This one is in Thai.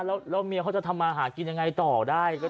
แล้วเมียเขาจะทำมาหากินยังไงต่อได้